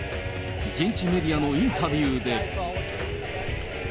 現地メディアのインタビューで。